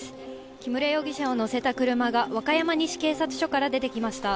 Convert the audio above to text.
木村容疑者を乗せた車が和歌山西警察署から出てきました。